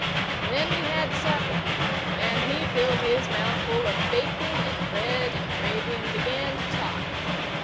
Then we had supper; and he filled his mouth full of bacon and bread and gravy, and began to talk.